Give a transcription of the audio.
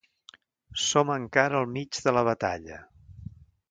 Som encara al mig de la batalla.